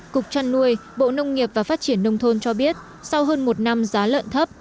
cục trăn nuôi bộ nông nghiệp và phát triển nông thôn cho biết sau hơn một năm giá lợn thấp